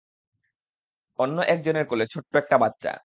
অন্য এক জনের কোলে ছোট্ট একটা বাচ্চা।